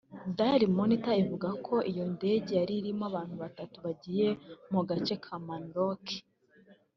Daily Monitor ivuga ko iyo ndege yari irimo abantu batanu bagiye mu gace ka Mau Narok